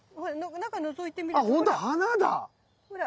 中のぞいてみるとほら。